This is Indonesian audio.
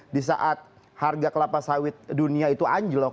di saat harga kelapa sawit dunia itu anjlok